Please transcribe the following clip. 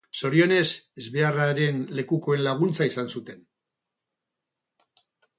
Zorionez, ezbeharraren lekukoen laguntza izan zuten.